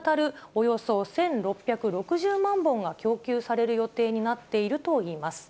およそ１６６０万本が供給される予定になっているといいます。